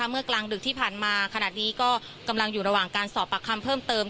เมื่อกลางดึกที่ผ่านมาขนาดนี้ก็กำลังอยู่ระหว่างการสอบปากคำเพิ่มเติม